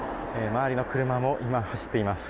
周りの車も今、走っています。